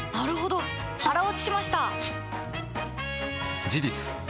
腹落ちしました！